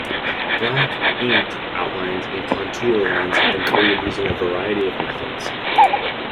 Black "ink" outlines and contour lines can be created using a variety of methods.